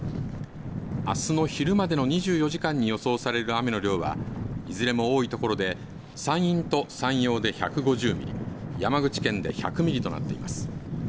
あすの昼までの２４時間に予想される雨の量はいずれも多いところで山陰と山陽で１５０ミリ、山口県で１００ミリとなっています。